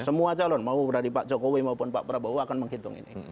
semua calon mau dari pak jokowi maupun pak prabowo akan menghitung ini